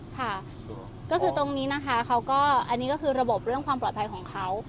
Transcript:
ค่ะก็คือตรงนี้นะคะเขาก็อันนี้ก็คือระบบเรื่องความปลอดภัยของเขา